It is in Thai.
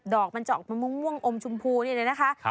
ดอกมันจะออกมุมม่วงอมชมพูเนี่ยนะคะ